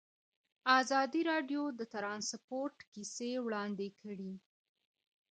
ازادي راډیو د ترانسپورټ کیسې وړاندې کړي.